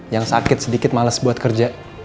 yang sakit sedikit males buat kerja